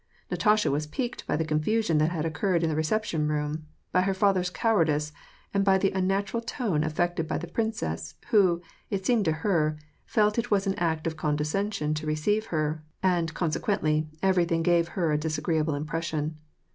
Natasha was piqued by the confusion that had occurred in the reception room, by her father's cowardice, and by the unnatural tone affected by the princess, who, it seemed to her, felt that it was an act of con descension to receive her, and, consequently, everything gave her a disagreeable impression.